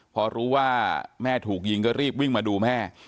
พอรู้ว่าแม่ถูกยิงก็รีบวิ่งมาดูแม่